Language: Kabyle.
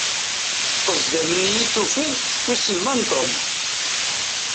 Ṭṭezdam-nni i tufiḍ, wissen ma n Tom?